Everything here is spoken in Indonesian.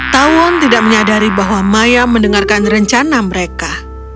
tawon tidak menyadari bahwa maya mendengarkan rencana mereka